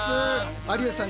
有吉さん